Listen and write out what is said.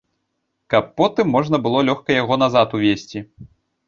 Каб потым можна было лёгка яго назад увезці.